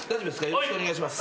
よろしくお願いします。